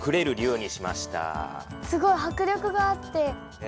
すごい迫力があって。